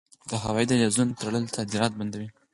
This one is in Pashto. د هوایی دهلیزونو تړل صادرات بندوي.